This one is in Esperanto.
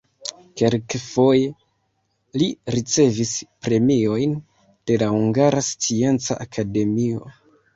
Kelkfoje li ricevis premiojn de la Hungara Scienca Akademio.